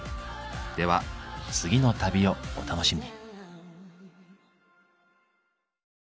では次の旅をお楽しみに。